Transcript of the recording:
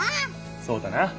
そうだな！